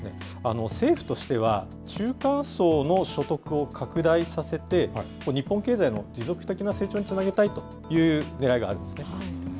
政府としては、中間層の所得を拡大させて、日本経済の持続的な成長につなげたいというねらいがあるんですね。